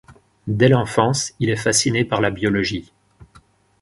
Dès l'enfance, il est fasciné par la biologie.